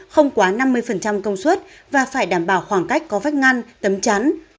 không quá năm mươi công suất và phải đảm bảo khoảng cách có vách ngăn tấm chắn